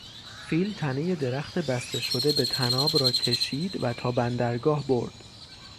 فیل تنهی درخت بسته شده به طناب را کشید و تا بندرگاه برد.